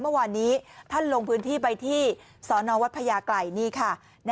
เมื่อวานนี้ท่านลงพื้นที่ไปที่สนวัดพญาไกลนี่ค่ะ